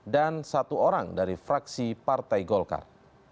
dan satu orang dari fraksi partai golkar